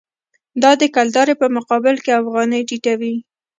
دا د کلدارې په مقابل کې افغانۍ ټیټوي.